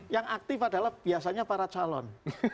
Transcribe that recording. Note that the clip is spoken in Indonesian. yang aktif adalah biasanya para calon